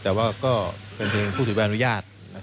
แต่ว่าก็เป็นเพียงผู้สุดแวร์อนุญาต